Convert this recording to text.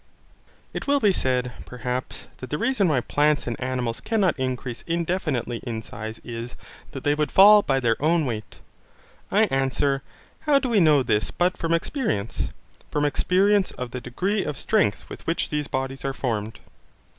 It will be said, perhaps, that the reason why plants and animals cannot increase indefinitely in size is, that they would fall by their own weight. I answer, how do we know this but from experience? from experience of the degree of strength with which these bodies are formed.